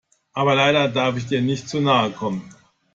Aber leider darf ich dir nicht zu nahe kommen.